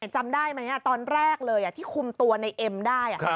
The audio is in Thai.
จำได้ไหมตอนแรกเลยที่คุมตัวในเอ็มได้